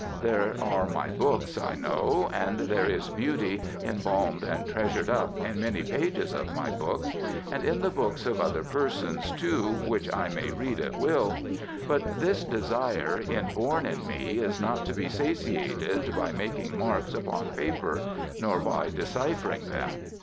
There are my books, I know; and there is beauty "embalmed and treasured up" in many pages of my books, and in the books of other persons, too, which I may read at will: but this desire inborn in me is not to be satiated by making marks upon paper, nor by deciphering them....